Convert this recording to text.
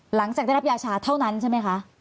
หลังจากได้รับยาชาเท่านั้นใช่ไหมคะ